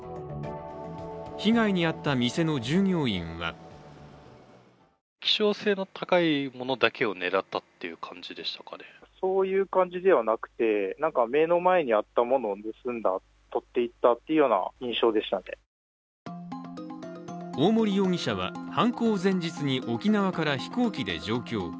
被害に遭った店の従業員は大森容疑者は、犯行前日に沖縄から飛行機で上京。